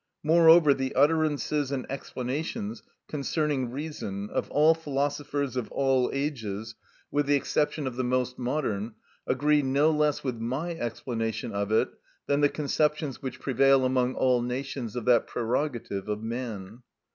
Moreover, the utterances and explanations concerning reason of all philosophers of all ages, with the exception of the most modern, agree no less with my explanation of it than the conceptions which prevail among all nations of that prerogative of man.